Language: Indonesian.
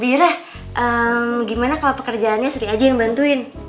bira gimana kalau pekerjaannya sendiri aja yang bantuin